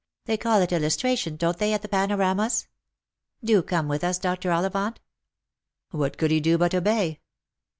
They call it illustration, don't they, at the panoramas ? Do come with us, Dr. Ollivant." What could he do but obey